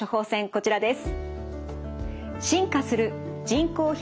こちらです。